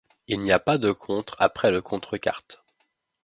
Il n'y a pas de contre après le contre carte.